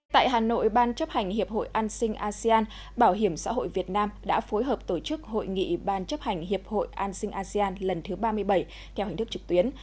tại hà nội ban chấp hành hiệp hội an sinh asean bảo hiểm xã hội việt nam đã phối hợp tổ chức hội nghị ban chấp hành hiệp hội an sinh asean lần thứ ba mươi bảy theo hình thức trực tuyến